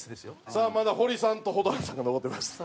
さあまだ堀さんと蛍原さんが残ってます。